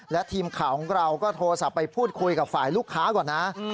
และทีมข่าวของเราก็โทรศัพท์ไปพูดคุยกับฝ่ายลูกค้าก่อนนะ